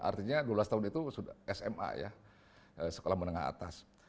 artinya dua belas tahun itu sudah sma ya sekolah menengah atas